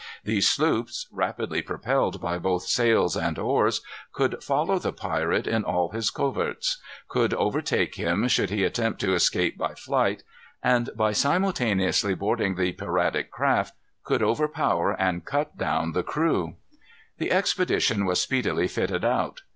These sloops, rapidly propelled by both sails and oars, could follow the pirate in all his coverts; could overtake him should he attempt to escape by flight, and, by simultaneously boarding the piratic craft, could overpower and cut down the crew. The expedition was speedily fitted out.